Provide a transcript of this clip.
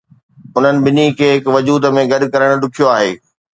انهن ٻنهي کي هڪ وجود ۾ گڏ ڪرڻ ڏکيو آهي.